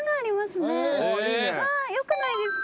よくないですか？